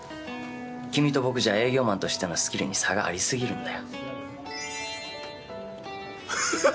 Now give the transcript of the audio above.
君と僕じゃ営業マンとしてのスキルに差がありすぎるんだよ。